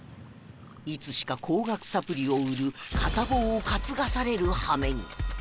いつしか高額サプリを売る片棒を担がされるはめに